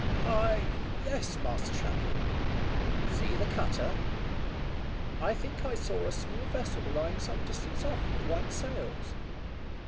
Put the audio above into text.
"I yes, Master Shackle." "See the cutter?" "I think I saw a small vessel lying some distance off, with white sails."